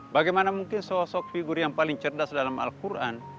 bagaimana mungkin sosok figur yang paling cerdas dalam al quran